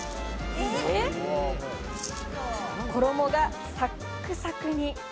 衣がサックサクに。